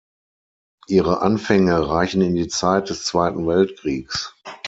Ihre Anfänge reichen in die Zeit des Zweiten Weltkriegs.